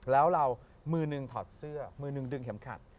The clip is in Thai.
แล้วเรามือหนึ่งถอดเสื้อมือหนึ่งดึงเข็มขัด